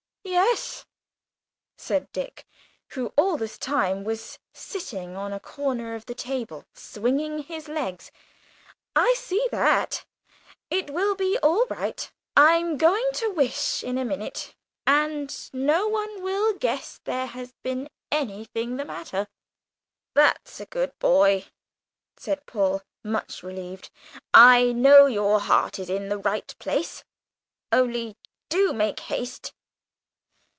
"Yes," said Dick, who all this time was sitting on a corner of the table, swinging his legs, "I see that. It will be all right. I'm going to wish in a minute, and no one will guess there has been anything the matter." "That's a good boy!" said Paul, much relieved, "I know your heart is in the right place only do make haste."